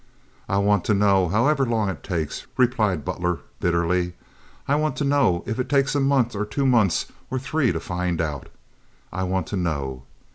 "I want to know, however long it takes," replied Butler, bitterly. "I want to know, if it takes a month or two months or three to find out. I want to know."